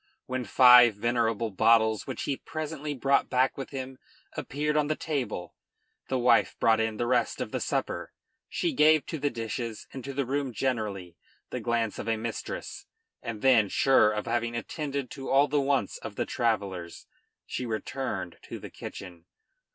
When five venerable bottles which he presently brought back with him appeared on the table, the wife brought in the rest of the supper. She gave to the dishes and to the room generally the glance of a mistress, and then, sure of having attended to all the wants of the travellers, she returned to the kitchen.